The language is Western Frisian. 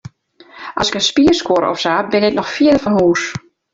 As ik in spier skuor of sa, bin ik noch fierder fan hûs.